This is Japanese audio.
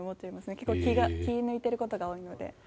結構、気を抜いてることが多いので。